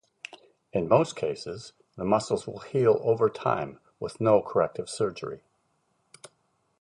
In most cases, the muscle will heal over time with no corrective surgery.